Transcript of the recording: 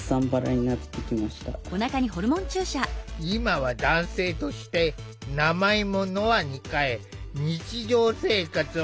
今は男性として名前も「ノア」に変え日常生活を送っていた。